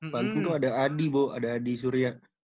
waktu itu ada adi bo ada adi surya